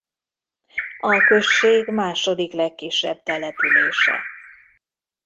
A község második legkisebb települése.